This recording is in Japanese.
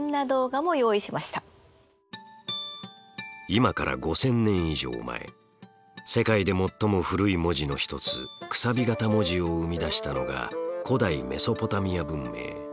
今から５，０００年以上前世界で最も古い文字の一つ楔形文字を生み出したのが古代メソポタミア文明。